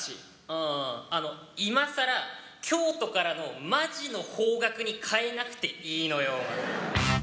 うんうん、あの、今さら京都からのマジの方角に変えなくていいのよ。